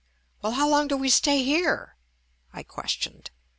"Well, how long do we stay here?" I ques tioned.